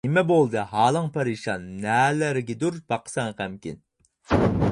نېمە بولدى، ھالىڭ پەرىشان، نەلەرگىدۇر باقىسەن غەمكىن.